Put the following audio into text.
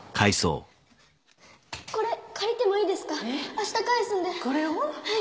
これ借りてもいいですか明日返すんではい